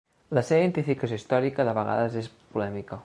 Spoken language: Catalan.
La seva identificació històrica de vegades és polèmica.